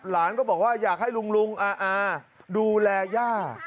หลานก็บอกว่าอยากให้ลุงลุงอาดูแลย่า